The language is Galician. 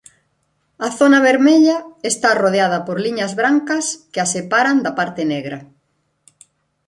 A zona vermella está rodeada por liñas brancas que a separan da parte negra.